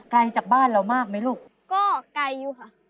ไกลจากบ้านเรามากไหมลูกก็ไกลอยู่ค่ะ